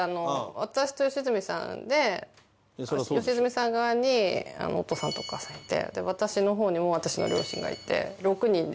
私と良純さんで良純さん側にお父さんとお母さんいて私の方にも私の両親がいて。